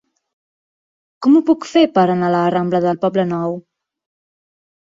Com ho puc fer per anar a la rambla del Poblenou?